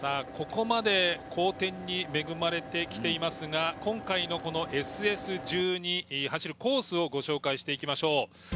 ここまで好天に恵まれてきていますが今回のこのＳＳ１２走るコースをご紹介していきましょう。